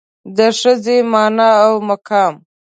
د ښځې مانا او مقام